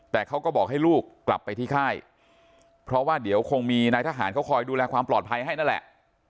แต่เขาก็บอกให้ลูกกลับไปที่ค่ายเพราะว่าเดี๋ยวคงมีนายทหารเขาคอยดูแลความปลอดภัยให้นั่นแหละ